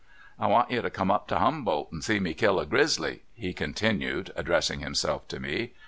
"I want you to come up to Humboldt and see me kill a grizzly," he continued, addressing him self to me.